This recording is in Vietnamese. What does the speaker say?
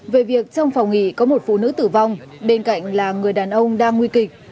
về việc trong phòng nghỉ có một phụ nữ tử vong bên cạnh là người đàn ông đang nguy kịch